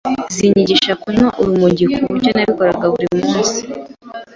zinyigisha kunywa urumogi ku buryo nabikoraga buri munsi,